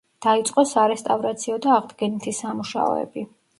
დაიწყო სარესტავრაციო და აღდგენითი სამუშაოები.